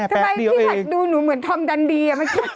ทำไมพี่หัดดูหนูเหมือนธอมดันดี